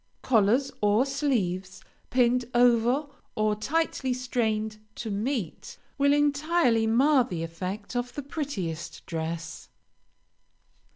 Collars or sleeves, pinned over or tightly strained to meet, will entirely mar the effect of the prettiest dress.